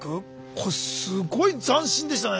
これすごい斬新でしたね。